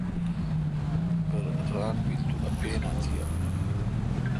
پرہ ران بیل تو اپن اں تی یال۔